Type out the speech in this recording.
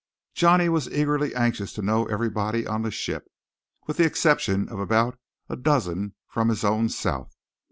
Johnny was eagerly anxious to know everybody on the ship, with the exception of about a dozen from his own South.